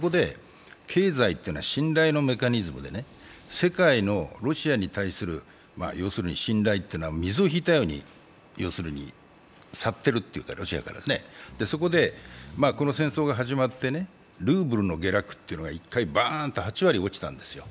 経済ってのは信頼のメカニズムで、世界のロシアに対する信頼ってのは水を引いたように要するにロシアから去ってるというか、そこでこの戦争が始まってルーブルの下落というのが一回バーンと８割落ちたんですよ。